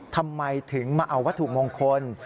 ทำไมถึงมาเอาวัตถุมงคล